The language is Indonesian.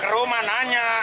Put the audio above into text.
gua ke rumah nanya